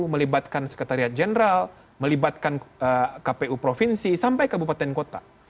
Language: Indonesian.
melibatkan sekretariat jeneral melibatkan kpu provinsi sampai ke bupaten kota